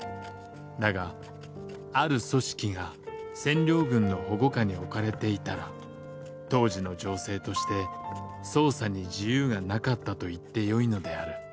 だがある組織が占領軍の「保護下」に置かれていたら当時の情勢として捜査に自由がなかったと言ってよいのである。